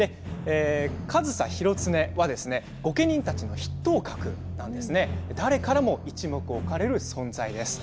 上総広常は御家人たちの筆頭格として誰からも一目置かれる存在です。